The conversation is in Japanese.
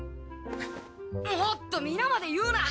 おっと皆まで言うな。